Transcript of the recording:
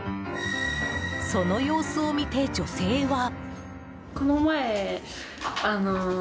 その様子を見て女性は。